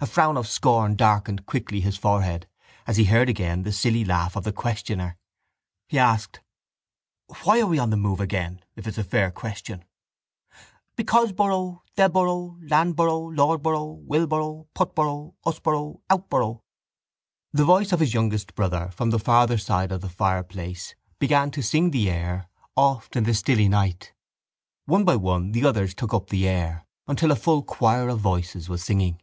A frown of scorn darkened quickly his forehead as he heard again the silly laugh of the questioner. He asked: —Why are we on the move again if it's a fair question? —Becauseboro theboro landboro lordboro willboro putboro usboro outboro. The voice of his youngest brother from the farther side of the fireplace began to sing the air Oft in the Stilly Night. One by one the others took up the air until a full choir of voices was singing.